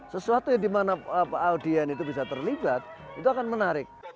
sesuatu yang dimana audien itu bisa terlibat itu akan menarik